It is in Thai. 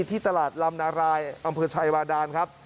ที่ตลัดลำนารายอชายวกดานครับ